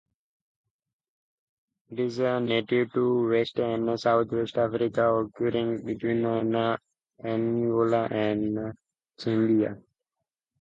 It is native to west and southwest Africa, occurring between Angola and Gambia.